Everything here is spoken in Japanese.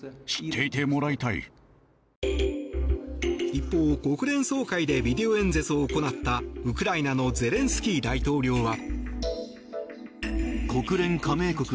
一方、国連総会でビデオ演説を行ったウクライナのゼレンスキー大統領は。